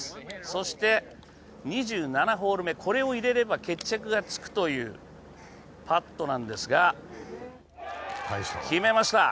そして２７ホール目、これを入れれば決着がつくというパットなんですが決めました。